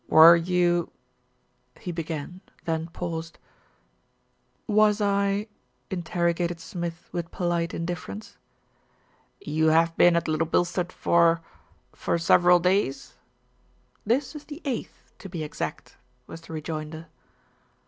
"Were you ?" he began, then paused. "Was I?" interrogated Smith with polite indiffer ence. "You have been at Little Bilstead for for several days?" 250 THE RETURN OF ALFRED "This is the eighth to be exact," was the rejoinder.